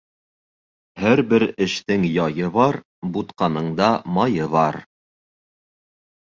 Һәр бер эштең яйы бар, бутҡаның да майы бар.